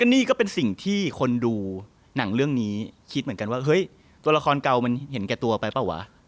นี่ก็เป็นสิ่งที่คนดูหนังเรื่องนี้คิดเหมือนกันว่าเฮ้ยตัวละครเก่ามันเห็นแก่ตัวไปเปล่าวะ